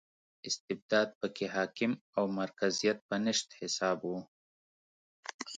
استبداد په کې حاکم او مرکزیت په نشت حساب و.